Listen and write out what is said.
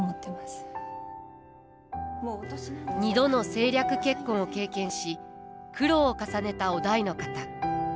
二度の政略結婚を経験し苦労を重ねた於大の方。